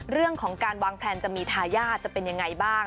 เรื่องของการวางแพลนจะมีทายาทจะเป็นยังไงบ้าง